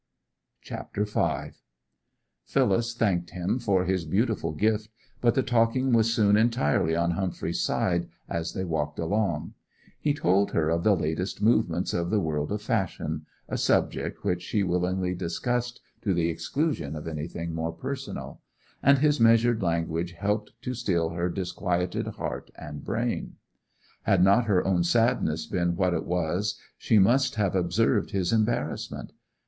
CHAPTER V Phyllis thanked him for his beautiful gift; but the talking was soon entirely on Humphrey's side as they walked along. He told her of the latest movements of the world of fashion—a subject which she willingly discussed to the exclusion of anything more personal—and his measured language helped to still her disquieted heart and brain. Had not her own sadness been what it was she must have observed his embarrassment.